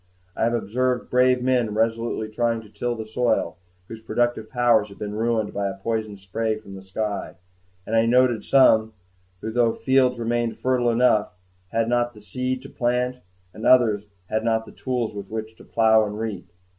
I observed brave men resolutely trying to till the soil, whose productive powers had been ruined by a poison spray from the sky; and I noted some who, though the fields remained fertile enough, had not the seed to plant; and others who had not the tools with which to plow and reap.